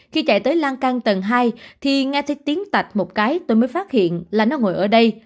khi chạy tới lan can tầng hai thì nghe thấy tiếng tạnh một cái tôi mới phát hiện là nó ngồi ở đây